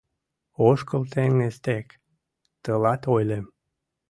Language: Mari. Ошкыл теҥыз дек, тылат ойлем